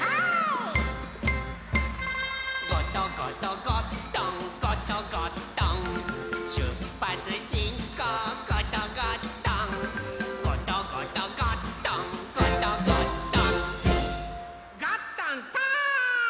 「ゴトゴトゴットンゴトゴットン」「しゅっぱつしんこうゴトゴットン」「ゴトゴトゴットンゴトゴットン」ゴットントーン！